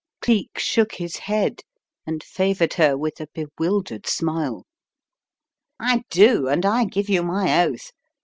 Cleek shook his head, and favoured her with a bewildered smile. "I do, and I give you my oath.